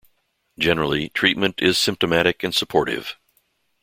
Generally, treatment is symptomatic and supportive.